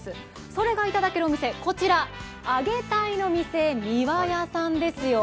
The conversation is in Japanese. それがいただけるお店、こちらあげたいの店みわやさんですよ。